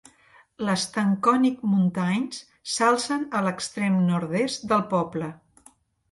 Les Taconic Mountains s'alcen a l'extrem nord-est del poble.